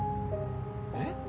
えっ？